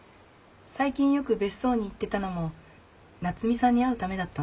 最近よく別荘に行ってたのも夏海さんに会うためだったの？